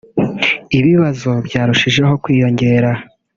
ibibazo byarushijeho kwiyongera